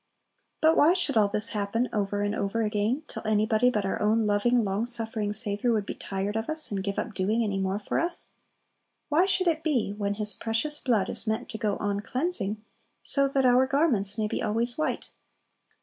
But why should all this happen over and over again, till anybody but our own loving, long suffering Saviour would be tired of us, and give up doing any more for us? Why should it be, when His precious blood is meant to "go on cleansing," so that our garments may be always white?